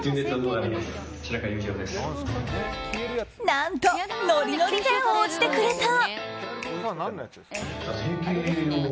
何とノリノリで応じてくれた。